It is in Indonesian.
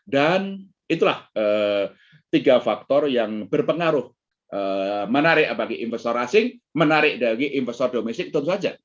dan itulah tiga faktor yang berpengaruh menarik bagi investor asing menarik bagi investor domestik tentu saja